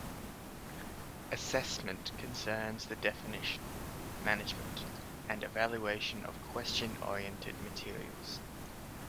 Assessment concerns the definition, management, and evaluation of question-oriented materials.